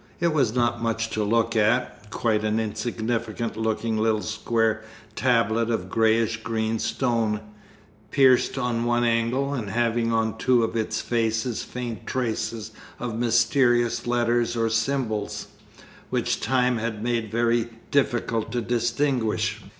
It was not much to look at, quite an insignificant looking little square tablet of greyish green stone, pierced at one angle, and having on two of its faces faint traces of mysterious letters or symbols, which time had made very difficult to distinguish.